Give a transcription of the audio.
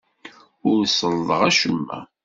Ur sellḍeɣ acemma.